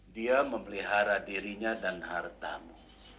dia memelihara dirinya dan hartamu